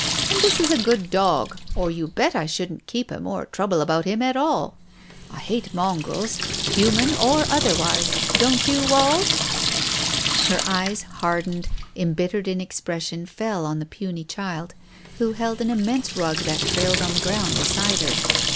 And this is a good dog, or you bet I shouldn't keep him or trouble about him at all. I hate mongrels, human or otherwise, don't you, Wald?" ... Her eyes hardened, embittered in expression, fell on the puny child, who held an immense rug that trailed on the ground beside her.